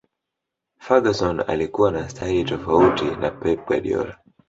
ferguson alikuwa na staili tofauti na Pe Guardiola